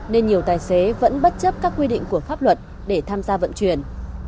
nên nhiều tài xế vẫn bất chấp các quy định của pháp luật để tham gia vận chuyển